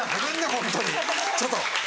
ホントにちょっと。